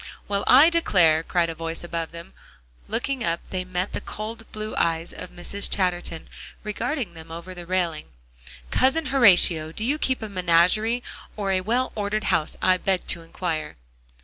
"Well, I declare!" cried a voice above them, and looking up they met the cold blue eyes of Mrs. Chatterton regarding them over the railing. "Cousin Horatio, do you keep a menagerie, or a well ordered house, I beg to inquire?"